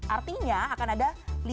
artinya akan ada lima puluh tujuh